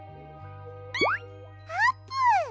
あーぷん！